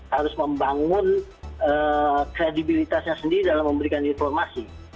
harus membangun kredibilitasnya sendiri dalam memberikan informasi